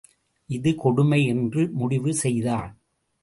இது கொடுமை என்று முடிவு செய்தான்.